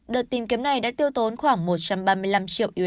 đợt tìm kiếm này đã tiêu tốn khoảng một trăm ba mươi năm triệu usd